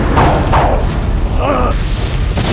kalau tidak hampir